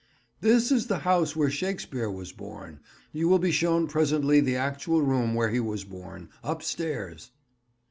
"This is the house where Shakespeare was born. You will be shown presently the actual room where he was born, upstairs."